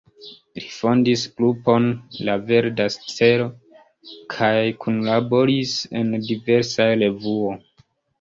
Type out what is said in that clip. Li fondis grupon la „Verda Stelo“ kaj kunlaboris en diversaj revuoj.